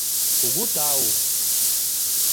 — Кугу тау!